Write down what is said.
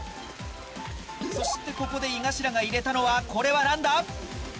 そしてここで井頭が入れたのはこれは何だ？